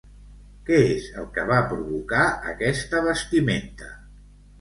Què és el que va provocar aquesta vestimenta?